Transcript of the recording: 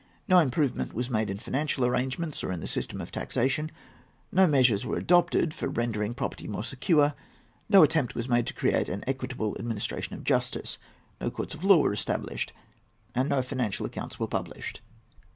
No improvement was made in financial arrangements, or in the system of taxation; no measures were adopted for rendering property more secure; no attempt was made to create an equitable administration of justice; no courts of law were established; and no financial accounts were published.